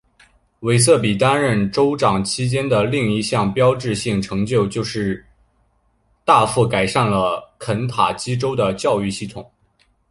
韦瑟比担任州长期间的另一项标志性成就是大幅改善了肯塔基州的教育系统。